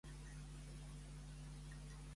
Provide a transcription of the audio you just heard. Si no tenim espectadors m'hi posaré conilla